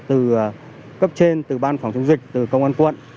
từ cấp trên từ ban phòng chống dịch từ công an quận